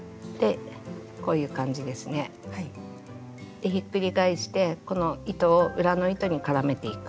でひっくり返してこの糸を裏の糸に絡めていく。